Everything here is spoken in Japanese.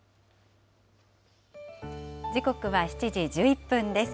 時刻は７時１１分です。